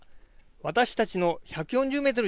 私たちの１４０メートル